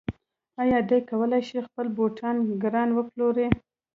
آیا دی کولی شي خپل بوټان ګران وپلوري؟